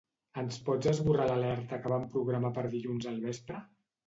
Ens pots esborrar l'alerta que vam programar per dilluns al vespre?